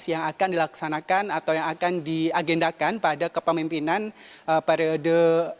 yang akan dilaksanakan atau yang akan diagendakan pada kepemimpinan periode dua ribu empat belas dua ribu sembilan belas